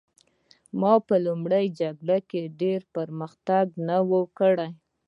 ما په لومړۍ جګړه کې ډېر پرمختګ نه و کړی